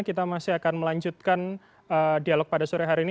kita masih akan melanjutkan dialog pada sore hari ini